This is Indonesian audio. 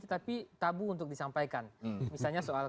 tapi tabu untuk disampaikan misalnya soal